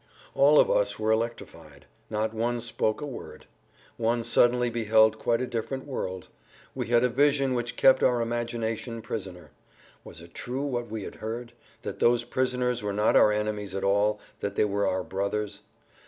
All of us were electrified. Not one spoke a word. One suddenly beheld quite a different world. We had a[Pg 69] vision which kept our imagination prisoner. Was it true what we had heard—that those prisoners were not our enemies at all, that they were our brothers?